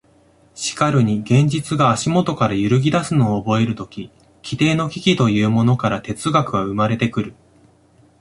しかるに現実が足下から揺ぎ出すのを覚えるとき、基底の危機というものから哲学は生まれてくる。